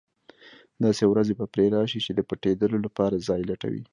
داسې ورځې به پرې راشي چې د پټېدلو لپاره ځای لټوي.